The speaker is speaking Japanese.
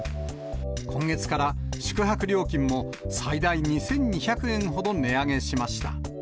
今月から宿泊料金も最大２２００円ほど値上げしました。